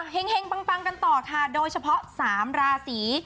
เห็งปังกันต่อค่ะโดยเฉพาะ๓ราศี